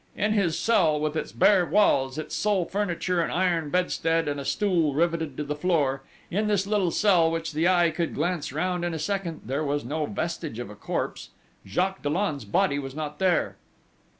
In this cell with its bare walls, its sole furniture an iron bedstead and a stool riveted to the floor, in this little cell which the eye could glance round in a second, there was no vestige of a corpse: Jacques Dollon's body was not there!